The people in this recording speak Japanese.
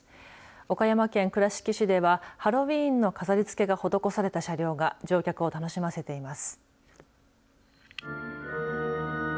岡山県倉敷市ではハロウィーンの飾りつけが施された車両が乗客を楽しませています。